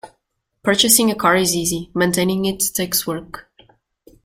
Purchasing a car is easy, maintaining it takes work.